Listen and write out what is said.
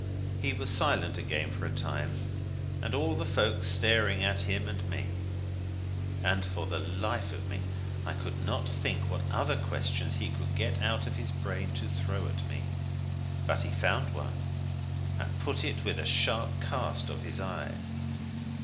He was silent again for a time, and all the folk staring at him and me; and for the life of me I could not think what other questions he could get out of his brain to throw at me. But he found one, and put it with a sharp cast of his eye.